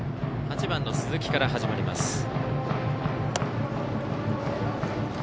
８番の鈴木から始まります。